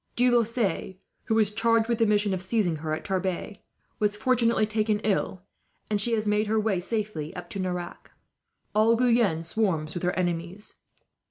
De Lossy, who was charged with the mission of seizing her at Tarbes, was fortunately taken ill; and she has made her way safely up to Nerac. "All Guyenne swarms with her enemies.